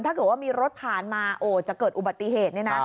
ถ้าเกิดว่ามีรถผ่านมาจะเกิดอุบัติเหตุ